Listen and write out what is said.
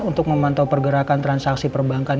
untuk memantau pergerakan transaksi perbankan